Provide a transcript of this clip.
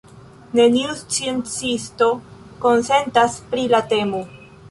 Neniu sciencisto konsentas pri la temo.